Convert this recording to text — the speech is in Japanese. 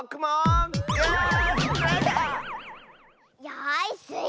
よしスイ